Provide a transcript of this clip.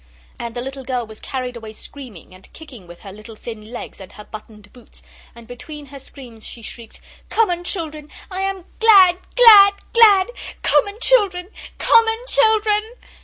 And the little girl was carried away screaming, and kicking with her little thin legs and her buttoned boots, and between her screams she shrieked: 'Common children! I am glad, glad, glad! Common children! Common children!